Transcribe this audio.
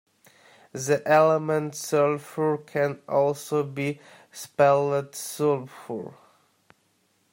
The element sulfur can also be spelled sulphur